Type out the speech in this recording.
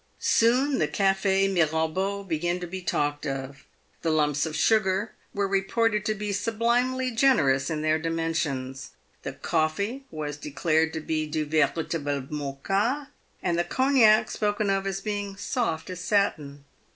Soon the Cafe Mirabeau began to be talked of. The lumps of sugar were reported to be sublimely generous in their dimensions ; the coffee was declared to be " du veritable moka;" and the cognac spoken of as being soft as satin.